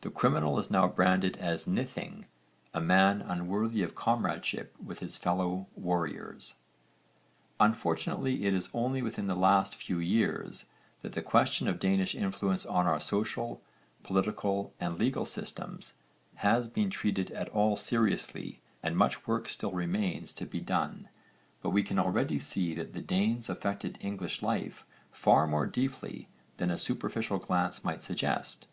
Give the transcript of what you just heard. The criminal is now branded as nithing, a man unworthy of comradeship with his fellow warriors. Unfortunately it is only within the last few years that the question of Danish influence on our social, political and legal systems has been treated at all seriously and much work still remains to be done, but we can already see that the Danes affected English life far more deeply than a superficial glance might suggest.